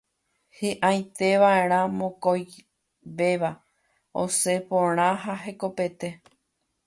Hiʼãitevaʼerã mokõivéva osẽ porã ha hekopete.